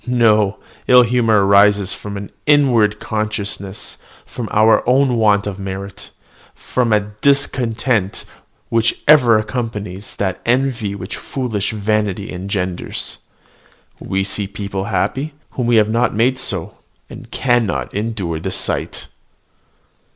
No: ill humour arises from an inward consciousness of our own want of merit, from a discontent which ever accompanies that envy which foolish vanity engenders. We see people happy, whom we have not made so, and cannot endure the sight."